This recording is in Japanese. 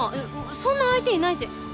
そんな相手いないし！